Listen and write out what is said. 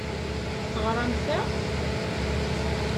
Teɣṛam ta?